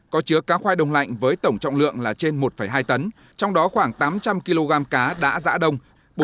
có chứa cá khoai đông lạnh với tổng trọng lượng là trên một hai tấn trong đó khoảng tám trăm linh kg cá đã giã đông